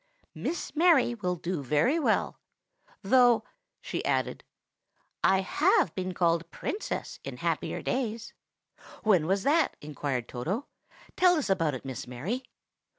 'Miss Mary' will do very well; though," she added, "I have been called Princess in happier days." "When was that?" inquired Toto. "Tell us about it, Miss Mary."